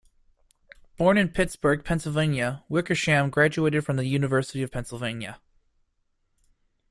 Born in Pittsburgh, Pennsylvania, Wickersham graduated from the University of Pennsylvania.